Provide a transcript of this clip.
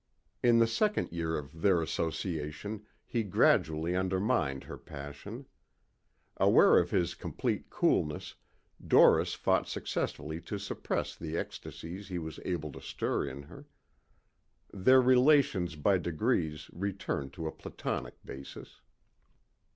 In the second year of their association he gradually undermined her passion. Aware of his complete coolness, Doris fought successfully to suppress the ecstacies he was able to stir in her. Their relations by degrees returned to a platonic basis.